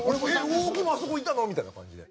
大木もあそこいたの？」みたいな感じで。